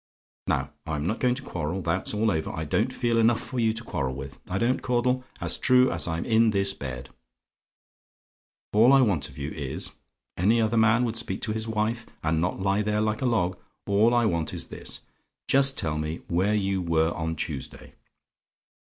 "Now, I'm not going to quarrel; that's all over: I don't feel enough for you to quarrel with, I don't, Caudle, as true as I'm in this bed. All I want of you is any other man would speak to his wife, and not lie there like a log all I want is this. Just tell me where you were on Tuesday?